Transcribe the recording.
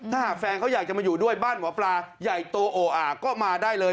ถ้าหากแฟนเขาอยากจะมาอยู่ด้วยบ้านหมอปลาใหญ่โตโออ่าก็มาได้เลย